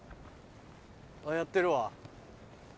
やってるわ。